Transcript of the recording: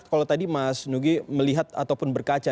kalau tadi mas nugi melihat ataupun berkaca